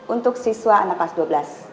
untuk siswa anak kelas dua belas